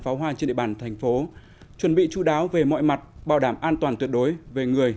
pháo hoa trên địa bàn thành phố chuẩn bị chú đáo về mọi mặt bảo đảm an toàn tuyệt đối về người